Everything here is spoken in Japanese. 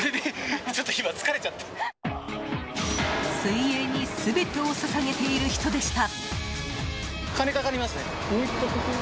水泳に全てを捧げている人でした。